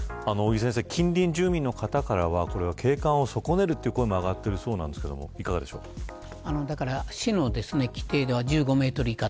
近隣住民の方からは景観を損ねるという声も上がっているそうですが市の規定では１５メートル以下。